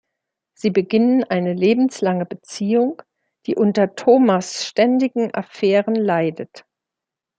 Sie beginnen eine lebenslange Beziehung, die unter Tomas’ ständigen Affären leidet.